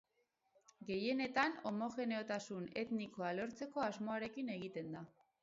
Gehienetan homogeneotasun etnikoa lortzeko asmoarekin egiten da.